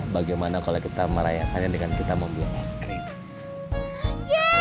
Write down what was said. bagaimana kalau kita merayakannya dengan kita membuat es krim